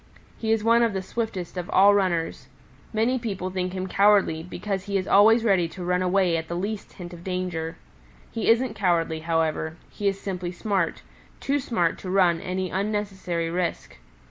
He is one of the swiftest of all runners. Many people think him cowardly because he is always ready to run away at the least hint of danger. He isn't cowardly, however; he is simply smart too smart to run any unnecessary risk.